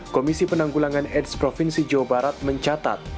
komisi penanggulangan aids provinsi jawa barat mencatat